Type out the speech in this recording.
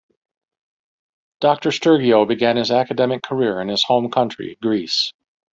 Doctor Stergiou began his academic career in his home country, Greece.